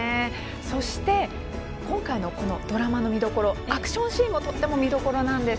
そして、今回のドラマの見どころアクションシーンもとても見どころなんです。